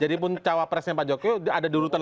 jadipun capresnya pak jokowi ada di urutan delapan belas